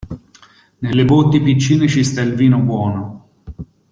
Nelle botti piccine ci sta il vino buono.